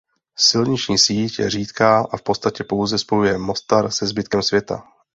Silniční síť je řídká a v podstatě pouze spojuje Mostar se zbytkem světa.